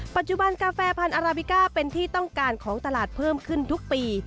ปัจจุบันกาแฟพันธ์อาราบิก้าเป็นที่ต้องการของตลาดเพิ่มขึ้นทุกปี